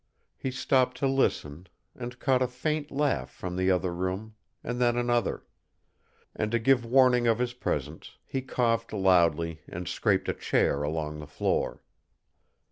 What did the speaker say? He stopped to listen, and caught a faint laugh from the other room, and then another; and to give warning of his presence, he coughed loudly and scraped a chair along the floor.